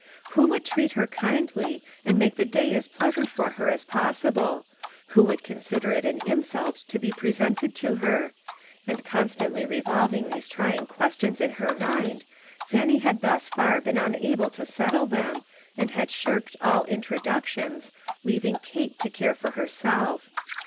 Who would treat her kindly, and make the day as pleasant for her as possible ? Who would consider it an in sult to be presented to her? And con stantly revolving these trying questions in her mind, Fannie had thus far been un able to settle them, and had shirked all in troductions, leaving Kate to care for her self.